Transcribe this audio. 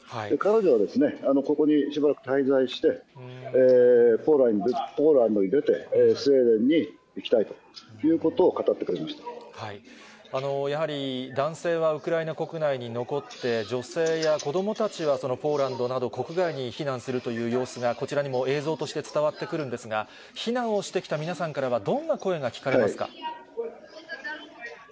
彼女は、ここにしばらく滞在して、ポーランドに出て、スウェーデンに行きたいということを語ってくやはり男性はウクライナ国内に残って、女性や子どもたちはポーランドなど、国外に避難するという様子がこちらにも映像として伝わってくるんですが、避難をしてきた皆さんからは、どんな声が聞かれますか。